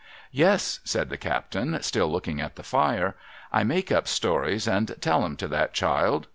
' Yes,' said the captain, still looking at the fire, ' I make up stories and tell 'em to that child.